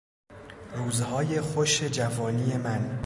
روزهای خوش جوانی من